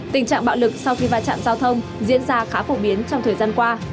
tình trạng bạo lực sau khi va chạm giao thông diễn ra khá phổ biến trong thời gian qua